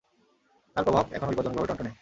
তাঁর প্রভাব এখনো বিপজ্জনকভাবে টনটনে।